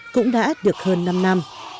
cũng đã được hơn năm năm